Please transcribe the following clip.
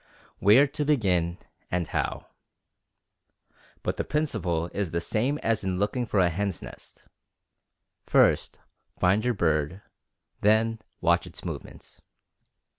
Where to begin, and how? But the principle is the same as in looking for a hen's nest, first find your bird, then watch its movements.